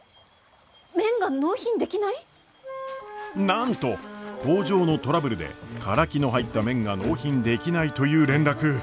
なんと工場のトラブルでカラキの入った麺が納品できないという連絡。